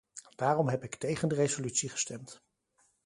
Daarom heb ik tegen de resolutie gestemd.